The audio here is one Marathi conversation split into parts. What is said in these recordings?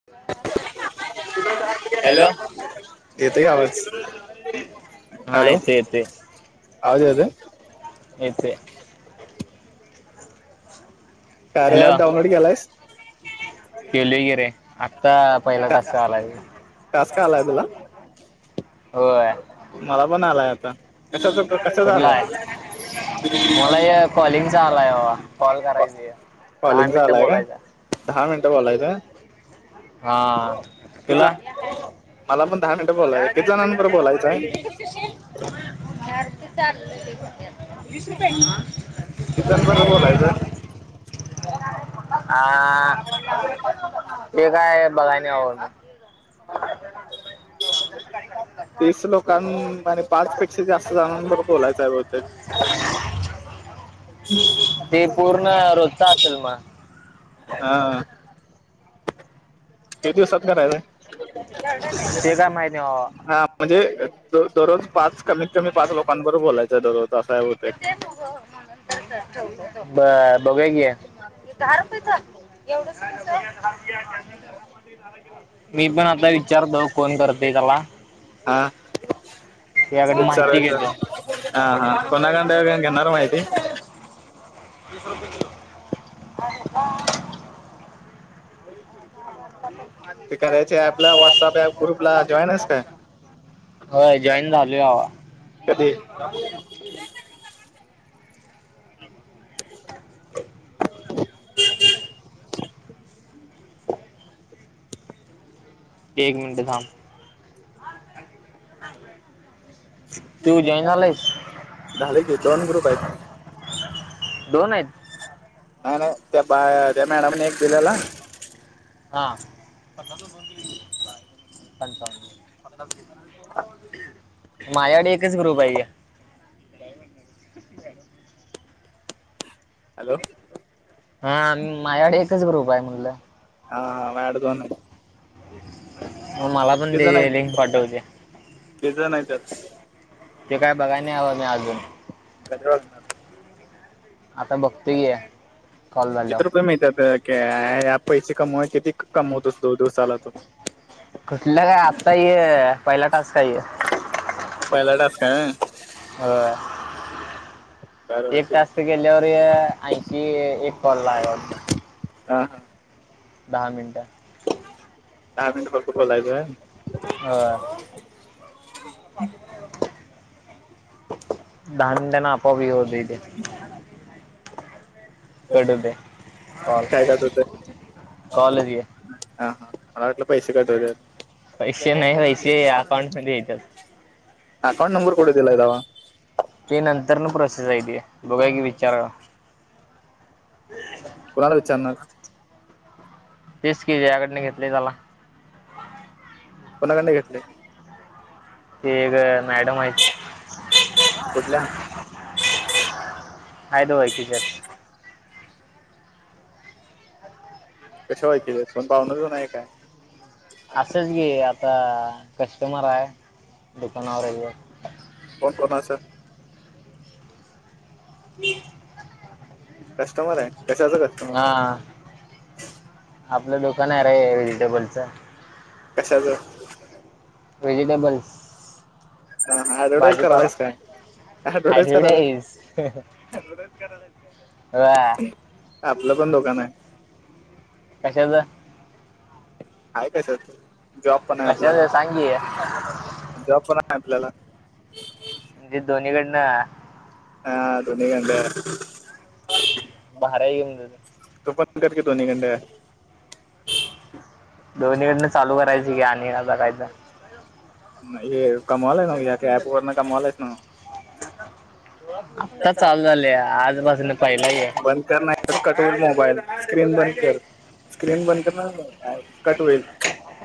[inaudible] हॅलो. हॅलो येतोय का आवाज? हा हॅलो येते येते आवाज येतोय. येतंय. कार्या ऍप डाऊनलोड केलायस? केलय की रे आत्ता पहिला टास्क आलाय. टास्क आलाय का? होय. मला पण आलाय आता. कशाचा कशाचा कुठला आलाय? आहे मला या कॉलिंग चा आलाय बाबा, कॉल करायच आहेत. कॉलिंगचा आलाय का, दहा मिनिटं बोलायचं हा. तुला [unintelligible] मला पण दहा मिनिटं बोलायचय, किती जणांबरोबर बोलायचंय? [unintelligible] वीस रुपये [unintelligible] किती जणांबरोबर बोलायचंय हा ते काय बघाय नाय होत. तीस लोकांन मध्ये पाच पेक्षा जास्त जणांबरोबर बोलायचं आहे बहुतेक ते पूर्ण रोजच असेल मग. हा. किती दिवसात कायरायचं आहे? ते काय माहित नाही बाबा. हा म्हणजे दर दररोज पाच कमीत कमी पाच लोकांबरोबर बोलायचं दररोज असं आहे बहुतेक बरं बघूया की. दहा रुपयेचा, एवढस मिळतये [unintelligible] मी पण आता विचारतो कोण करते तवा हा, ते त्याकडे माहिती चालच घेतो हा हा. [unintelligible] [inaudible] ते करायचे आपल्या व्हॉट्सअप ऍप ग्रुपला जॉईन आहेस काय [inaudible] होय जॉईन झालोय बाबा. कधी [unintelligible] एक मिनंट थांब. तू जॉईन झालायस [unintelligible] झाले की जॉइन्ट ग्रुप आहेत. दोन आहेत. नाही नाही त्या बा त्या मॅडमने एक दिलेला. हा. [inaudible] माझ्याकडे एकच ग्रुप आहे. हॅलो. हा माझ्याकडे एकच ग्रुप आहे म्हणलं. हा हा माया कडे दोन आहे. हो मला पण किती ते जण लिन्क आहेत पाठव ती. किती जण आहेत त्यात ते काय बघाय नाही आल मी अजून. धन्यवाद. आता बघतो घे. किती रुपये मिळतात? क्या या पैसे कमा किती कमवतोस दोन दिवसाला तु. कुठलं काय? आत्ताय पहिला टास्क हाये यो. पहिला टास्क हाय होय. होय. एक बरोबर टास्क केल्यावर ऐ क एक कॉल ला. ह, हा... दहा मिनटं. दहा मिनटं फक्त बोलायच. होय [unintelligible] दहा मिनिटाने आपोआप हे होते हे. कट होतोय कॉल काय कट होतंय कॉल रे. हा हा मला वाटलं पैसे कट हो त्यात. पैसे नाही पैसे अकाउंट मध्ये याेतात. अकाउंट नंबर कुठे दिलाय तवा ते नंतर न प्रोसेस हाय ते, बघूया की विचारूया. कुणाला विचारणार? तेच की ज्याकडने घेतली त्याला. कोणाकडन घेतले? ते ग मॅडम आहेत. [inaudible] कुठल्या [inaudible] [inaudible] हाईट ओळखीच्या. कशा ओळखीच्या, आहेत कोण पाहून आहेत काय? असेच गी आता कस्टमर आहे दुकानावरयेतात. कोण कोण अस? कस्टमर आहे कशाचं कस्टमर हा. आपलं दुकान आहे र वेहेजिटेबलच. कशाचं वेजिटेबल्स. हा हा ऍडव्हर्टाईस करालायस काय? ऍडव्हर्टाईज करायलाच ॲडवटाईज होय. आपलं पण दुकान आहे कशाच? आहे कस जॉब पण आहे आपल्याला, कशाचं सांग की जॉब पण आहे आपल्याला. म्हणजे दोन्हीकडनं. हा दोन्हीकडं भारी की मग तुझं. तू पण कर की दोन्हीकडंन. दोन्हीकडन चालू करायची की आणि आता कायतर. कमावाला ना या कॅप वगरणा कमावालायच ना [unintelligible] आत्ता चालू झाल्या. बंद कर नाहीतर, कट मोबाईल स्क्रीन बंद कर. स्क्रीन बंद कर ना, कट होईल,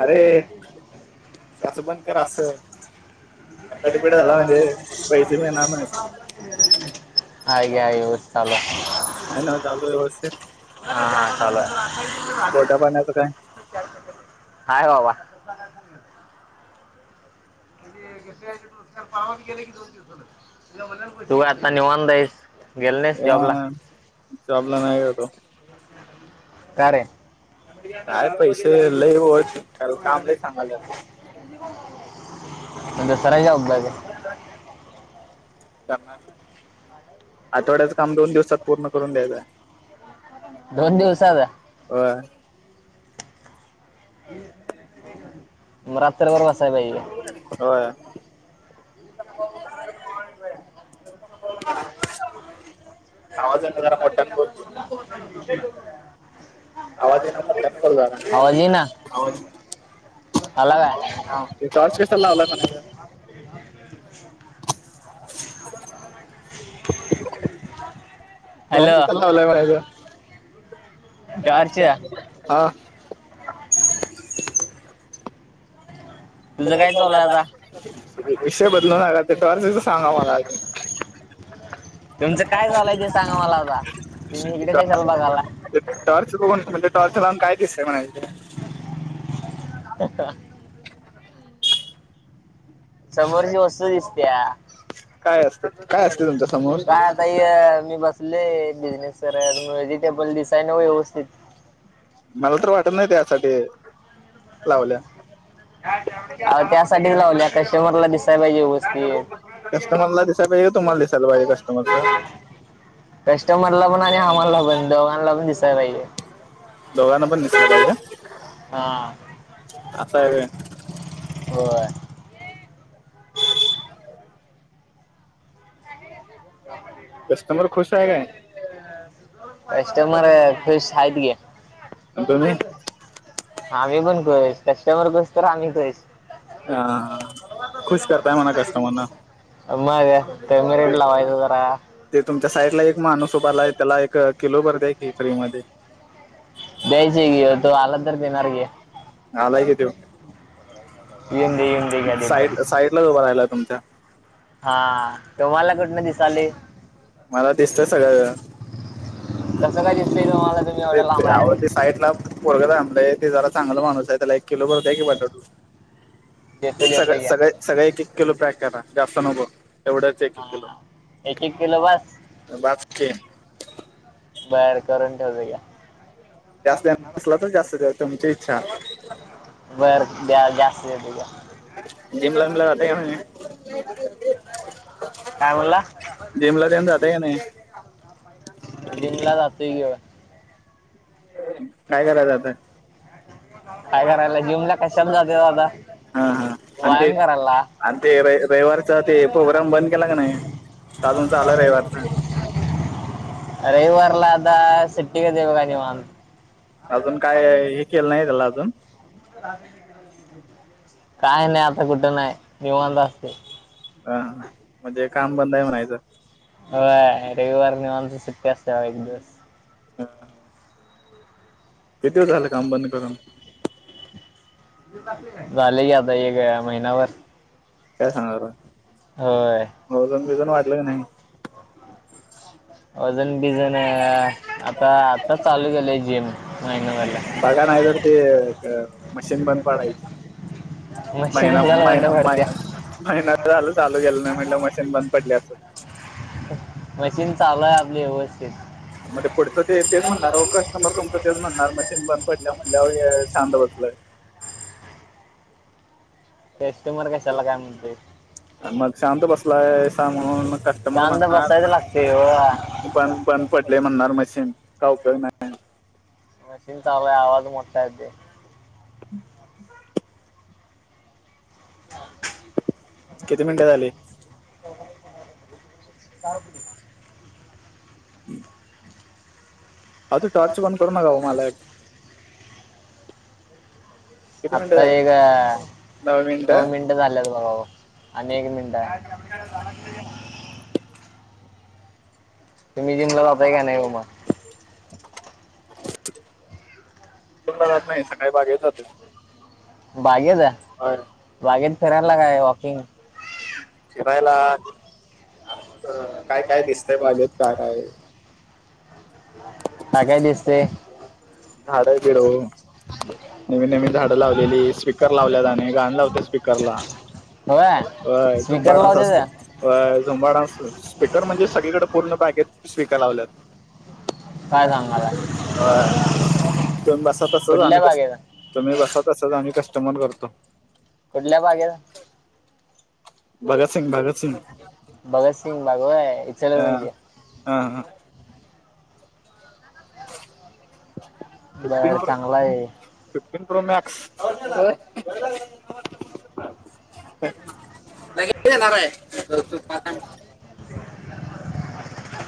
अरे. - अकाडमीड झाला म्हणजे पैसे मिळणार नाही [unintelligible] हे आहे हो [unintelligible] हाय नव्हं चालू व्यवस्थीत? हा, हा, चालू हाय. पाण्याचं काय हाय भावा. लाय सां [inaudible] म्हणजे पाहावाी गेले की दोन तं [unintelligible] तू काय आता निवांत हाईस. गेला नाहीस जॉब ला? अ जॉबला नाय गेलो. का रे? काय पैसे लई हो [unintelligible] - काम नाही सांगाल्यात. मग दुसरा जाँब बघाय- आठवड्याच काम दोन दिवसात पूर्ण- करून द्यायच. दोन दिवसात? व्हय. म रात्रीभर बसाय पाहिजे. होय. ह [inaudible] [inaudible] आवाज येना जरा मोठ्यान बोल. आजेन चन आवाज ये ना ब [unintelligible] आला काय? हा टाँर्च कशाला लावला म्हणायचं? [inaudible] म हा टॉर्च [unintelligible] [inaudible] ब तुझं काय चालू आहे आता चलाय [unintelligible] विषय बदलू नका, ते टाँर्चच सांगा मला आधी? तुमचं काय झालंय ते सांगा मला आता, तुम्ही इकडे काशाला बघायलाय? टॉर्च कोण म्हजे टर्च लावून काय दिसतय म्हणायचं - ह [inaudible] समोरची वस्तू दिसत्या. काय असत काय असत तुमच्या समोर? फुले बिझनेस सर [unintelligible] अ वेजिटेबल दिसाय नको व्यवस्थित. मला तर वाटत नाही त्यासाठी, लावल्या. आव त्यासाठीच लावल्या कस्टमरला दिसायला पाहिजे गोष्टी. कस्टमरला दिसायला पाहिजे तुम्हाला दिसायला पाहिजे आ कस्टमरच [inaudible] कस्टमरला पण आणि आम्हाला पण दोघांनला पण दिसायला पाहिजे. दोघांना पण दिसलं पाहिजे, हा असं आहे व्हय. होय. ह [inaudible] कस्टमर खुश आहे काय? अ सु [inaudible] कस्टमर खूष हायत की. तुम्ही? आम्ही पण खुष, कस्टमर खुष तर आम्ही खुष. [inaudible] खुश करताय म्हणा कस्टमरना माझ्या कमी रेट लावायचा जरा. ते तुमच्या साईडला एक माणूस उभाला, त्याला एक किलोभर द्या कीं फ्रीमध्ये. द्यायचे कीं तो आलांतर देणार कीं. आलाय कीं त्यो. येऊन दे येऊन दे घ्या देतो साईड, साईड लाच उभा राहिलाय तुमच्या. हा तुम्हाला कुठन दिसाले. मला दिसतंय सगळं कस काय दिसतय तुम्हाला, तुम्ही एवढ्या लांब आहे आणि. पोरग ला आणलय, ते जरा चांगल माणूस आहे. त्याला एक किलो भर दया कीं बटाटू, देतो एक सगळ देतो घ्या सगळ्या सगळया एकेक. कींलो पॅक करा, जास्त नको एवढं हा, हा एक, एक किलो बास. बाकी बाहेर करून ठेवलया. [unintelligible] तर जास्त जा तुमची इच्छा बर दया जास्त घेतोय दया. जिमला विमला जातेय का म्हणे. काय बोलला. जिमला तेन जाताय का नाही जिमला जातोय कीं वा. काय करायचं आता. काय कराला, जीमला कशाला जातोय आता. हा, हा आण ते, व्यायाम करायला आण ते र रयीवारचा ते प्रोग्राम बंद केला का नाही. अजून चालला रयीवारच. रविवारला आता सेट्टी ग देेव का निव अ [unintelligible] अजून काय हे केलं नाही, त्याला अजून. काय नाही, आता कुठे नाही, निवांत असते. हा म्हणजे काम बंद आहे, म्हणायचं. हा रविवार निवांत सुट्टी असते एक दिवस. ह [unintelligible] बंद करून [unintelligible] झाले की आता हे काय महिनाभर. काय सांगणार आहे होय म वजन, बिजन वाढलं कीं नाही. वजन बीजन. अ आता, आता चालू झालंय जिम, महिना बघा नाही तर झाला. ते अ, मशीन बंद पडायच मशीन महिना, कशाला बंद महिना, पडत्या महिना. महिना झाल चालू केलं नाही. म्हटलं मशीन बंद पडली असंल. मशीन चालूय आपली. म तें पुढचं ते तेच म्हणणार हो, कस्टमर तुमचं तेच म्हणणार, मशीन बंद पडल्या म्हणल्यावर शांत बसलं. कस्टमर कशाला काय म्हणते. मग शांत बसलाय स म्हणून कस्टमर शांत म्हणणार. बसायचं लागते हो ब बंद पडले म्हणणार मशीन काही उपयोग नाही. मशीन चालूय आवाज मोठ्ठा चं ये. [inaudible] किती मिनटे झाले. [unintelligible] [inaudible] अ तो टॉर्च बंद करू नकाओ मालक. किती मिनिटं आता झाली? एग दहा मिनिटं. नऊ मिनट. झाल्यात बघा हो, आणी एक मिनटं. तुम्ही जिंम ला जाताय का नाही ओ म. दोनदा जात नाही, सकाळी बागेत जातो. बागेतच आहे बागेत फिरायला काय वॉकिंग फिरायला अस काय काय दिसतय बागेत का काय काय काय दिसते हाळो बिड नवीन नवीन झाडं लावलेली स्पीकर लावल्यात आणि गाणं लावते स्पीकरला हय स्पीकर लावजे टाणस स्पिपकर म्हणजे सगळीकडे पूर्ण पॅकेज स्वीिक लावल्यात मग काय सांगायला ह बसतुम्यी बसतू आम्ही कुठल्या कस बागेत तुम्ही बसा तसच आम्ही कस्टमर करतो कुठल्या भागेला भगत सिंग भगत सिंग भगतसिंग भागवाय ऐ हह हा हा बर फिफ्टनर चांगला आहे फिफ्टीन प्रो मॅक्स लागेणारू येणार हाय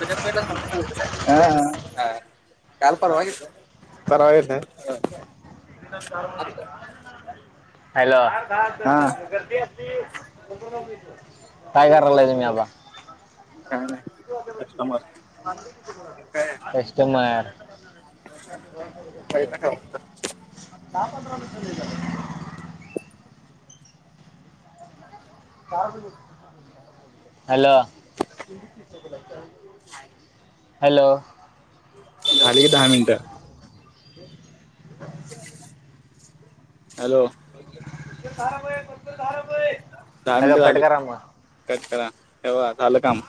बे म्हट ह काल पर्वात येसु परवा यशात हॅलो हा टायगार रालाय तुम्ही आता काय नाही कस्टमर कस्टमर दहा पंधरा मिनिटे लेट झाले हॅलो हॅलो गाडी गे दहा मिनिट हॅलो दहा रुपये फक्त दहा रुपये हालो कोट का रा मग कच करा तेव्हा झालं काम